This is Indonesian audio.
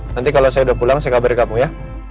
nanti kalau saya udah pulang saya kabar kamu ya